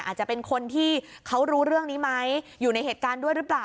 อาจจะเป็นคนที่เขารู้เรื่องนี้ไหมอยู่ในเหตุการณ์ด้วยหรือเปล่า